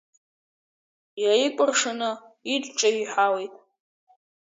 Иааикәыршаны идҿеиҳәалеит.